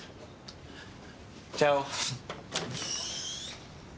ちゃお。